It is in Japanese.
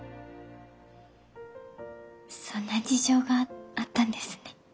そんな事情があったんですね。